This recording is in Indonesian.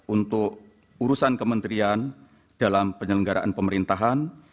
untuk urusan kementerian dalam penyelenggaraan pemerintahan